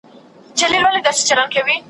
د زلمیو، د پېغلوټو، د مستیو `